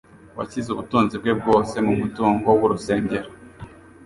washyize ubutunzi bwe bwose mumutungo w'urusengero.